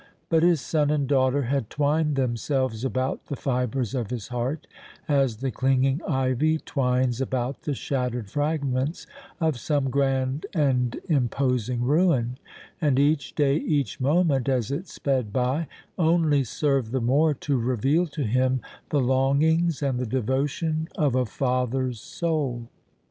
But his son and daughter had twined themselves about the fibres of his heart as the clinging ivy twines about the shattered fragments of some grand and imposing ruin, and each day, each moment, as it sped by, only served the more to reveal to him the longings and the devotion of a father's soul.